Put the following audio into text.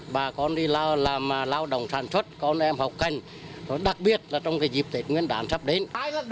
bà con đi làm lao động sản xuất con em học kênh đặc biệt là trong dịp tết nguyên đán sắp đến